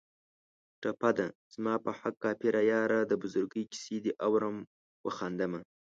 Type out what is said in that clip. ټپه ده: زما په حق کافره یاره د بزرګۍ کیسې دې اورم و خاندمه